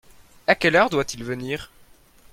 A quelle heure doit-il venir ?